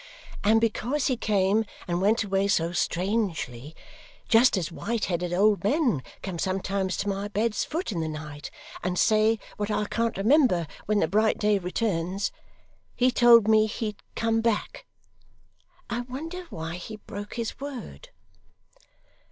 And because he came and went away so strangely just as white headed old men come sometimes to my bed's foot in the night, and say what I can't remember when the bright day returns. He told me he'd come back. I wonder why he broke his word!